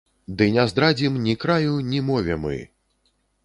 Ды не здрадзім ні краю, ні мове мы.